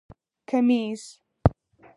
👗 کمېس